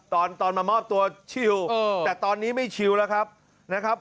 ตอนมามอบตัวชิวแต่ตอนนี้ไม่ชิวแล้วครับนะครับ